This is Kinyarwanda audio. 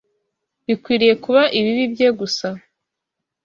bikwiriye kuba ibibi bye gusa